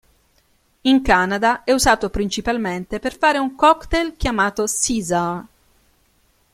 In Canada è usato principalmente per fare un cocktail chiamato "Caesar".